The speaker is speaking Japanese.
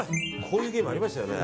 こういうゲームありましたよね。